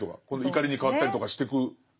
怒りに変わったりとかしてく。